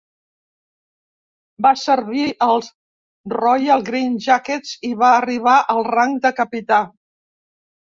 Va servir als Royal Green Jackets i va arribar al ranc de capità.